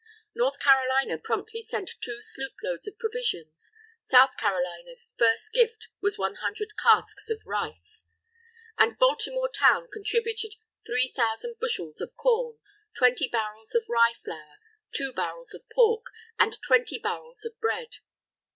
North Carolina promptly sent two sloop loads of provisions. South Carolina's first gift was one hundred casks of rice. And Baltimore Town contributed three thousand bushels of corn, twenty barrels of rye flour, two barrels of pork, and twenty barrels of bread.